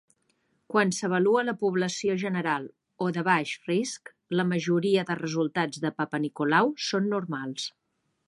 Quan s'avalua la població general o de baix risc, la majoria de resultats de Papanicolau són normals.